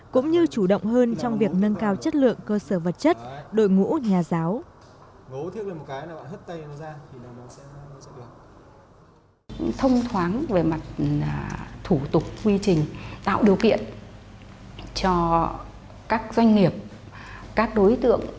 cũng như chủ động hơn trong việc nâng cao chất lượng cơ sở vật chất đội ngũ nhà giáo